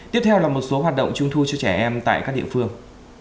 tiếp theo là một số hoạt động trung thu cho trẻ em tại các địa phương